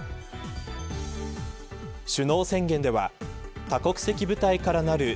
首脳宣言では多国籍部隊からなるＮＡＴＯ